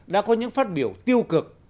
đã có những phát biểu tiêu cực